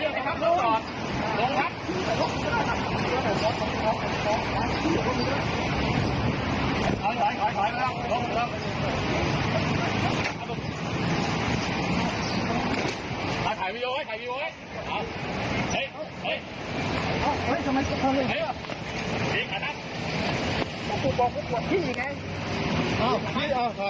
พวกผมบอกว่าปวดพิ่งอยู่ไงอ่าอ่าอ่าไป